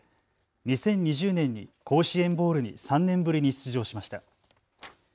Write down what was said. ２０２０年に甲子園ボウルに３年ぶりに出場しました。